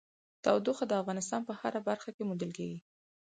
تودوخه د افغانستان په هره برخه کې موندل کېږي.